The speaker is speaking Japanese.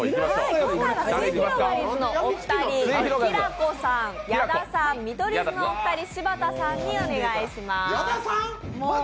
今回はすゑひろがりずのお二人、きらこさん、矢田さん見取り図のお二人、柴田さんにお願いします。